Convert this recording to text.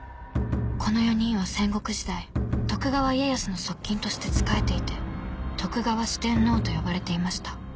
この４人は戦国時代徳川家康の側近として仕えていて徳川四天王と呼ばれていました